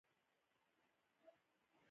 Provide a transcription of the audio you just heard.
زه ډاډه وم چې يوه حللاره شته.